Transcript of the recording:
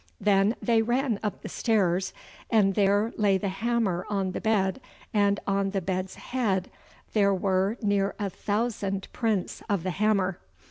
Then they ran up the stairs, and there lay the hammer on the bed, and on the bed's head there were near a thousand prints of the hammer.